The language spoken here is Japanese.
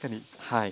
はい。